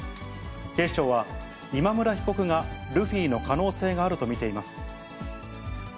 警視庁は、今村被告がルフィの可能性があると見ています。